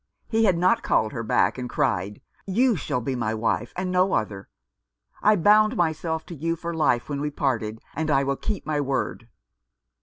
He had not called her back and cried, " You shall be my wife, and no other. I bound myself to you for life when we parted, and I will keep my word."